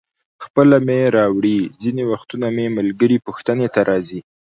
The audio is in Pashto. خپله مې راوړي، ځینې وختونه مې ملګري پوښتنې ته راځي.